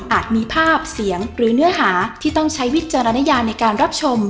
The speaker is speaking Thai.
มีภาพเสียงหรือเนื้อหาที่ต้องใช้วิจารณญาในการรับชม